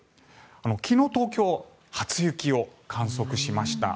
昨日、東京初雪を観測しました。